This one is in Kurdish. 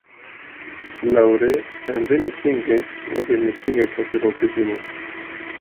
Lewre em vê mîtîngê, wekî mîtîngeke dîrokî dibînin